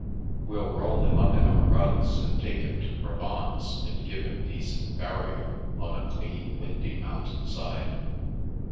We'll roll him up in our rugs and take him to Provence, and give him decent burial on a clean, windy mountain side.